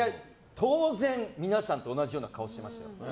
当然、皆さんと同じような顔してました。